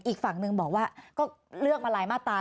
อีกฝั่งหนึ่งบอกว่าก็เลือกมาลายมาตรา